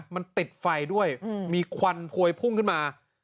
มันติดไฟด้วยมีควันพวยพุ่งขึ้นมา